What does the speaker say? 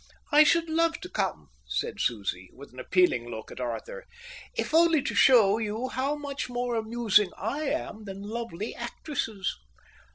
"I should love to come," said Susie, with an appealing look at Arthur, "if only to show you how much more amusing I am than lovely actresses."